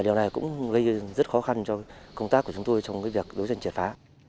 điều này cũng gây rất khó khăn cho công tác của chúng tôi trong việc đấu tranh triệt phá